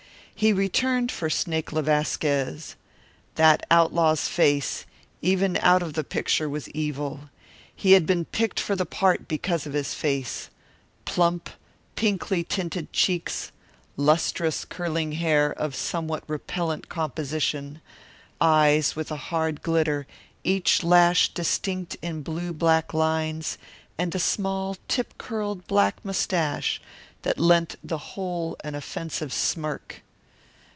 He returned for Snake le Vasquez. That outlaw's face, even out of the picture, was evil. He had been picked for the part because of this face plump, pinkly tinted cheeks, lustrous, curling hair of some repellent composition, eyes with a hard glitter, each lash distinct in blue black lines, and a small, tip curled black mustache that lent the whole an offensive smirk.